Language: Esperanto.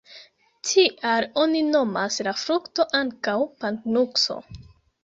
Tial oni nomas la frukto ankaŭ pan-nukso.